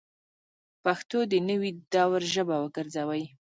پښتو د نوي دور ژبه وګرځوئ